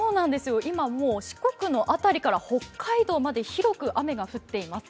今、もう四国の辺りから北海道まで広く雨が降っています。